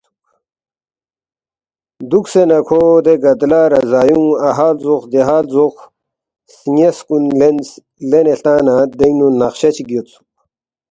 دُوکسے نہ کھو دے گدلا رضایُونگ اَہا لزوق دیہا لزوق سن٘یاس کُن لینس، لینے ہلتا نہ دینگ نُو نقشہ چِک یودسُوک